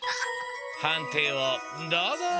判定をどうぞ。